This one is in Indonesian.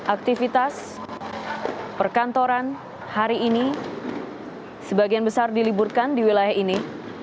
aktivitas perkantoran hari ini sebagian besar diliburkan di wilayah ini